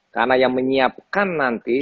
karena yang menyiapkan nanti